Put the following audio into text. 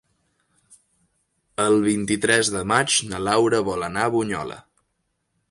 El vint-i-tres de maig na Laura vol anar a Bunyola.